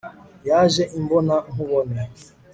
Yaje imbona nkubone